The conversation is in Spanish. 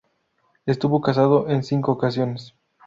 Estuvo casado en cinco ocasiones.